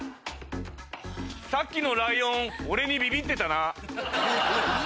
さっきのライオン俺にビビってたな。